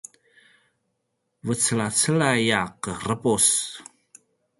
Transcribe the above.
vucelacelay a ’erepus